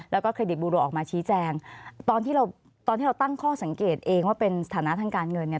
แล้วก็เครดิตบูรัวออกมาชี้แจงตอนที่เราตอนที่เราตั้งข้อสังเกตเองว่าเป็นสถานะทางการเงินเนี่ย